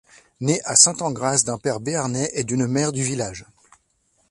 Né à Sainte-Engrâce d'un père béarnais et d'une mère du village.